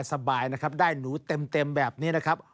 สบายนะครับได้หนูเต็มแบบนี้นะครับ